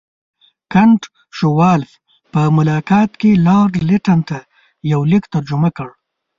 کنټ شووالوف په ملاقات کې لارډ لیټن ته یو لیک ترجمه کړ.